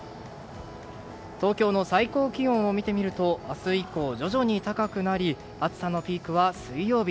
東京の最高気温を見てみると明日以降徐々に高くなり暑さのピークは水曜日。